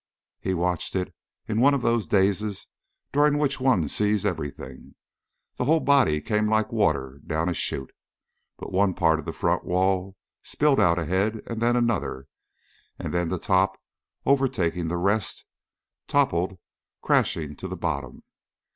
He watched it in one of those dazes during which one sees everything. The whole body came like water down a chute, but one part of the front wall spilled out ahead and then another, and then the top, overtaking the rest, toppled crashing to the bottom.